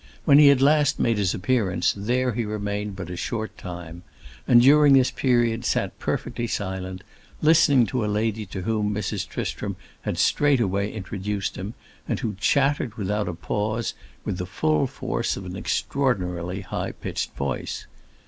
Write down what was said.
When he at last made his appearance there he remained but a short time, and during this period sat perfectly silent, listening to a lady to whom Mrs. Tristram had straightway introduced him and who chattered, without a pause, with the full force of an extraordinarily high pitched voice.